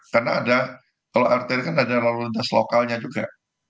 karena ada kalau rtn kan ada lalu lintas lokalnya juga